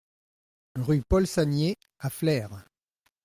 Rue Paul Saniez à Flers